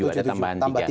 ada tambahan tiga